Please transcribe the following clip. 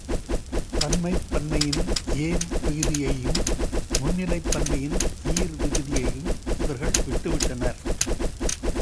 தன்மைப் பன்மையின் ஏம் விகுதியையும், முன்னிலைப் பன்மையின் ஈர் விகுதியையும் இவர்கள் விட்டுவிட்டனர்.